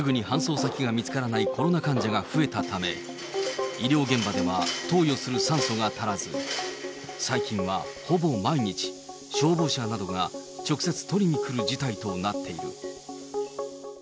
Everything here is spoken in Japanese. すぐに搬送先が見つからないコロナ患者が増えたため、医療現場では投与する酸素が足らず、最近はほぼ毎日、消防車などが直接取りに来る事態となっている。